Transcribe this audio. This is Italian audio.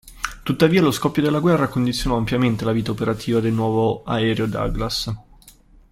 Tuttavia lo scoppio della guerra condizionò ampiamente la vita operativa del nuovo aereo Douglas.